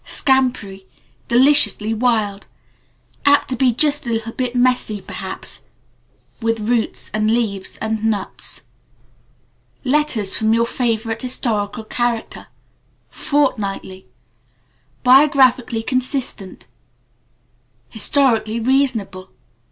Scampery. Deliciously wild. Apt to be just a little bit messy perhaps with roots and leaves and nuts.) Letters from Your Favorite (Biographically consistent. Historical Character. Historically reasonable.